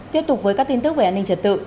tiếp tục với các tin tức về an ninh trật tự